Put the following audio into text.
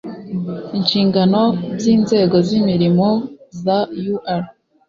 inshingano by inzego z imirimo za ur